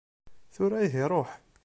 Tura ihi ṛuḥ!